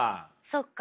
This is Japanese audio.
そっか。